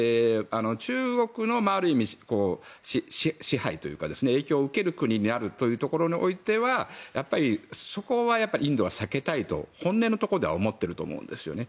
中国のある意味、支配というか影響を受ける国になるというところにおいてはやっぱりそこはインドは避けたいと本音のところでは思っていると思うんですね。